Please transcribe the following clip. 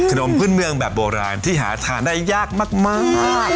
ขนมพื้นเมืองแบบโบราณที่หาทานได้ยากมาก